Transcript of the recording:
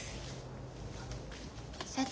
社長